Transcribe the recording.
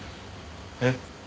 えっ？